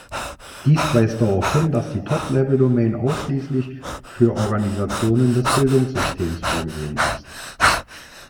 Dies weist darauf hin, dass die Top-Level-Domain ausschließlich für Organisationen des Bildungssystems vorgesehen ist.